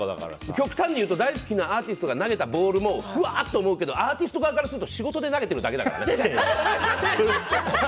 極端に言うと大好きなアーティストが投げたボールもうわって思うけどアーティスト側からすると仕事で投げてるだけだから。